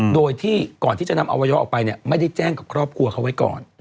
โดยที่ก่อนที่จะนำอวัยวะออกไปไม่ได้แจ้งกับครอบครัวเขาไว้ก่อน